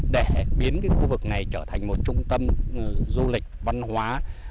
để biến khu vực này trở thành một trung tâm du lịch văn hóa